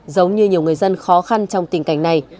giống như nhiều người dân khó khăn trong tình cảnh này